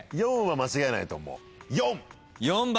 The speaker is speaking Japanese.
４は間違えないと思う。